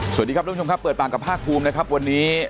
สวัสดีครับทุกผู้ชมครับเปิดปากกับภาคภูมินะครับวันนี้